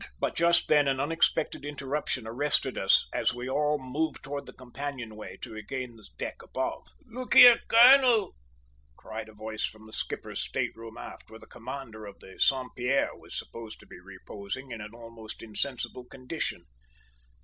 But just then an unexpected interruption arrested us as we all moved towards the companion way to regain the deck above. "Look here, colonel," cried a voice from the skipper's state room aft, where the commander of the Saint Pierre was supposed to be reposing in an almost insensible condition.